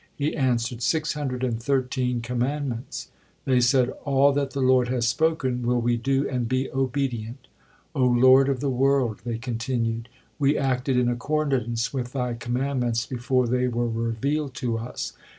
He answered, "Six hundred and thirteen commandments." They said: "All that the Lord has spoken will we do and be obedient." "O Lord of the world!" they continued, "We acted in accordance with Thy commandments before they were revealed to us.